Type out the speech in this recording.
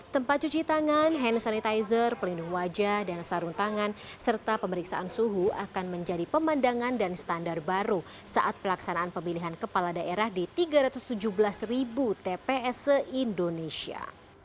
tempat cuci tangan hand sanitizer pelindung wajah dan sarung tangan serta pemeriksaan suhu akan menjadi pemandangan dan standar baru saat pelaksanaan pemilihan kepala daerah di tiga ratus tujuh belas ribu tps se indonesia